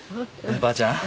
ばあちゃん？